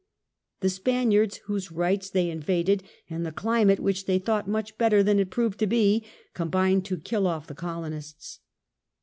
The Spaniards, whose rights they in vaded, and the climate, which they thought much better than it proved to be, combined to kill off the colonists.